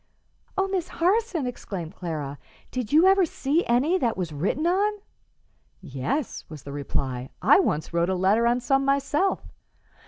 "Oh, Miss Harson!" exclaimed Clara; "did you ever see any that was written on?" "Yes," was the reply; "I once wrote a letter on some myself."